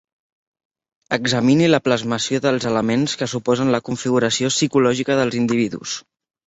Examine la plasmació dels elements que suposen la configuració psicològica dels individus.